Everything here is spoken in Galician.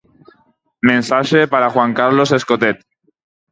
Mensaxe para Juan Carlos Escotet.